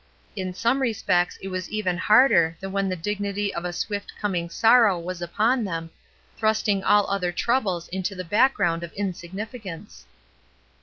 In some respects it was even harder than when the dignity of a swift coming sorrow was upon them, thrusting all other troubles into the background of insignificance.